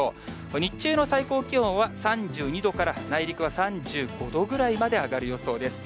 日中の最高気温は３２度から、内陸は３５度くらいまで上がる予想です。